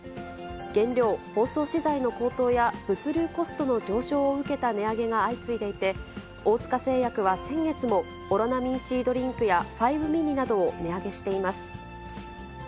原料、包装資材の高騰や物流コストの上昇を受けた値上げが相次いでいて、大塚製薬は先月も、オロナミンＣドリンクやファイブミニなどを値上げしています。